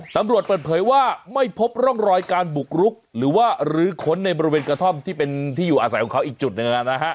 ตำรวจเปิดเผยว่าไม่พบร่องรอยการบุกรุกหรือว่ารื้อค้นในบริเวณกระท่อมที่เป็นที่อยู่อาศัยของเขาอีกจุดหนึ่ง